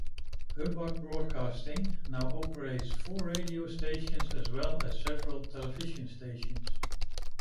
Hubbard Broadcasting now operates four radio stations as well as several television stations.